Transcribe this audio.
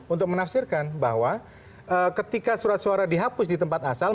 untuk menafsirkan bahwa ketika surat suara dihapus di tempat asal